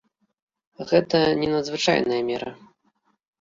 Гэта не надзвычайная мера.